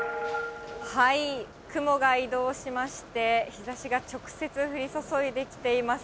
雲が移動しまして、日ざしが直接降り注いできています。